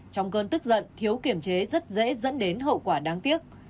trong cơn tức giận thiếu kiểm chế rất dễ dẫn đến hậu quả đáng tiếc